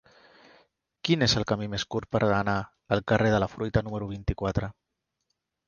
Quin és el camí més curt per anar al carrer de la Fruita número vuitanta-quatre?